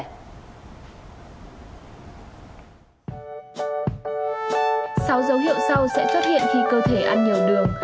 sáu dấu hiệu sau sẽ xuất hiện khi cơ thể ăn nhiều đường